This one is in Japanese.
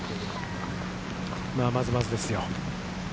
まあ、まずまずですよ。